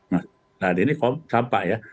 nah ini campak ya